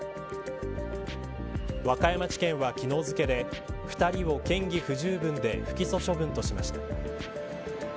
和歌山地検は昨日付で２人を嫌疑不十分で不起訴処分としました。